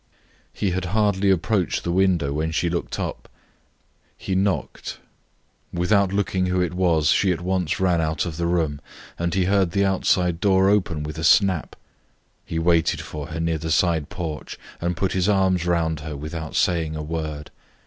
He had hardly approached the window when she looked up. He knocked. Without looking who it was she at once ran out of the room, and he heard the outside door open with a snap. He waited for her near the side porch and put his arms round her without saying a word.